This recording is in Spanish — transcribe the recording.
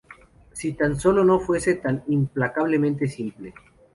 Si tan sólo no fuese tan implacablemente simple".